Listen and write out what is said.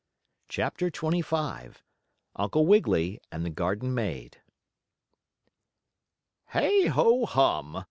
CHAPTER XXV UNCLE WIGGILY AND THE GARDEN MAID "Hey, ho, hum!"